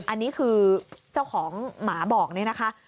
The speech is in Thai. อันนี้คือเจ้าของหมาบอกนี่นะคะ